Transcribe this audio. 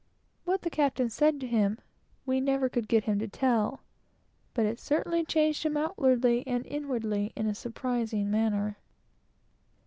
What the captain said to him, we never could get him to tell, but it certainly changed him outwardly and inwardly in a most surprising manner.